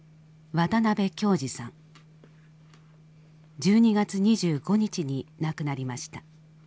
１２月２５日に亡くなりました。